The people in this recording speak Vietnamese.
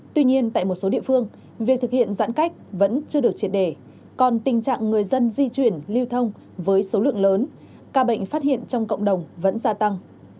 tuy nhiên tại một số địa phương việc thực hiện giãn cách vẫn chưa được triệt đề còn tình trạng người dân di chuyển lưu thông với số lượng lớn ca bệnh phát hiện trong cộng đồng vẫn gia tăng